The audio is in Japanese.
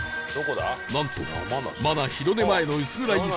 なんとまだ日の出前の薄暗い早朝４時